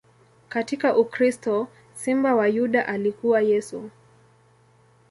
Katika ukristo, Simba wa Yuda alikuwa Yesu.